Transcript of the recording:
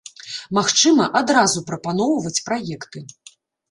Магчыма, адразу прапаноўваць праекты.